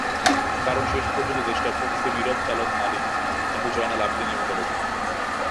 কারণ শেষ পর্যন্ত দেশটার প্রকৃত নীরব চালক-মালিক কিন্তু জয়নাল আবেদিনের মতো লোকেরাই।